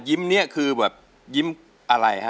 ยิ้มเนี้ยคือแบบยิ้มคลุมยิ้มกล้วนส่วนที่ก็มีแล้วนะครับ